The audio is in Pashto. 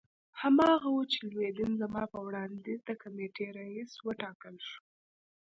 هماغه وو چې لودین زما په وړاندیز د کمېټې رییس وټاکل شو.